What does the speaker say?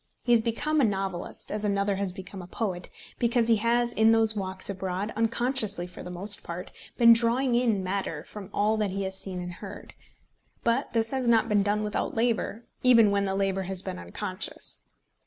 He has become a novelist, as another has become a poet, because he has in those walks abroad, unconsciously for the most part, been drawing in matter from all that he has seen and heard. But this has not been done without labour, even when the labour has been unconscious.